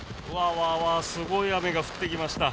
すごい雨が降ってきました。